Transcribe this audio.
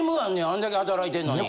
あんだけ働いてんのに。